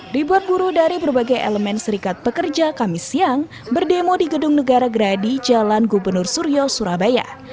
ribuan buruh dari berbagai elemen serikat pekerja kami siang berdemo di gedung negara gerahadi jalan gubernur suryo surabaya